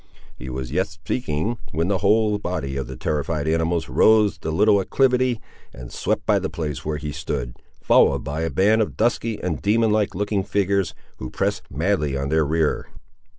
He was yet speaking, when the whole body of the terrified animals rose the little acclivity, and swept by the place where he stood, followed by a band of dusky and demon like looking figures, who pressed madly on their rear.